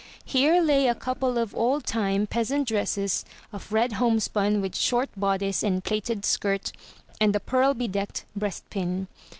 Here lay a couple of old time peasant dresses, of red homespun with short bodice and plaited skirt, and a pearl bedecked breast pin.